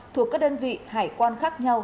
thuộc các đơn vị hải quan khác nhau